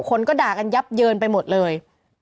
คนก็ด่ากันยับเยินไปหมดเลย